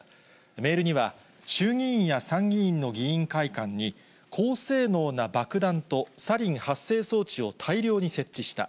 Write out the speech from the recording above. メールには、衆議院や参議院の議員会館に、高性能な爆弾とサリン発生装置を大量に設置した。